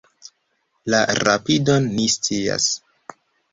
La rapidon ni scias.